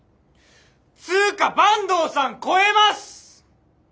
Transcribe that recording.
つか坂東さん超えます！